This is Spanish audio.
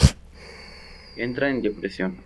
Entra en depresión.